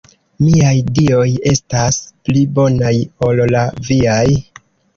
Miaj Dioj estas pli bonaj ol la viaj.